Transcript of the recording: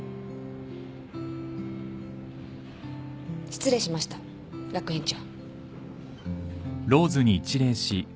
失礼しました学園長。